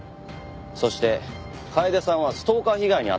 そして楓さんはストーカー被害に遭っていた。